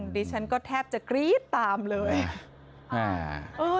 ดิฉันก็แทบจะกรี๊ดตามเลย